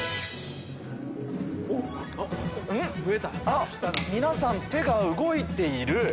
あっ皆さん手が動いている。